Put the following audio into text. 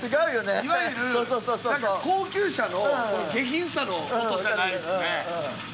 いわゆる高級車の下品さの音じゃないっすね。